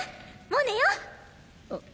もう寝よ！